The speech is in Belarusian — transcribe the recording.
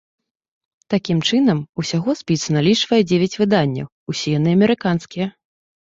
Такім чынам, усяго спіс налічвае дзевяць выданняў, усе яны амерыканскія.